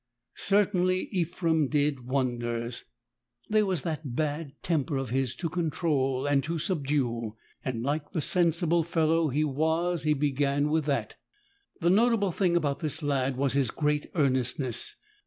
Certainly Ephrem did wonders. There was that bad tem per of his to control and to subdue, and like the sensible fel low he was he began with that. The notable thing about this lad was his great earnestness.